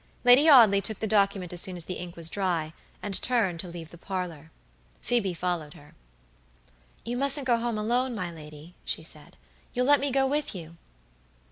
Lady Audley took the document as soon as the ink was dry, and turned to leave the parlor. Phoebe followed her. "You mustn't go home alone, my lady," she said. "You'll let me go with you?"